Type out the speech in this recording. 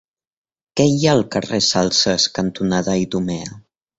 Què hi ha al carrer Salses cantonada Idumea?